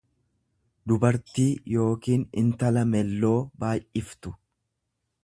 dubartii yookiin intala melloo baay'iftu.